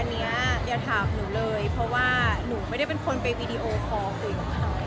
อันนี้จะถามหนูเลยเพราะว่าหนูไม่ได้เป็นคนไปเมมีที่โยคอปวิซ